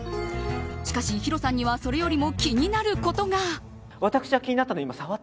しかし、ヒロさんにはそれよりも気になることが。